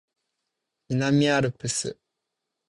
南アルプス